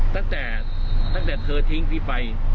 ตั้งแต่เธอทิ้งพี่ไป